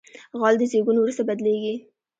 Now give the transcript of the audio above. غول د زیږون وروسته بدلېږي.